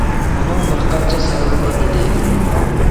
بۇنىڭ بىر قانچە سەۋەبى بار ئىدى.